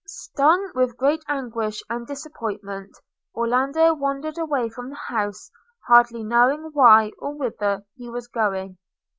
Stung with regret, anguish, and disappointment, Orlando wandered away from the house, hardly knowing why, or whither he was going.